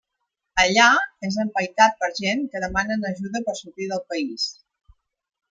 Allà, és empaitat per gent que demanen ajuda per sortir del país.